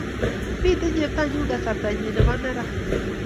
Mito cheptonyu kasarta nyi nebo neran